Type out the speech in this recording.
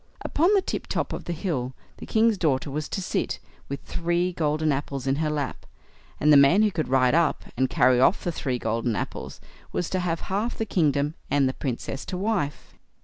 Upon the tip top of the hill the king's daughter was to sit, with three golden apples in her lap, and the man who could ride up and carry off the three golden apples, was to have half the kingdom, and the Princess to wife.